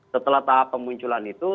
setelah tahap pemunculan itu